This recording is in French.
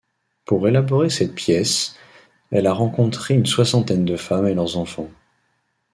Pour élaborer cette pièce, elle a rencontré une soixantaine de femmes et leurs enfants.